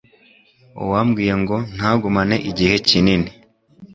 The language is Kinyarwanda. uwambwiye ngo ntagumane igihe kinini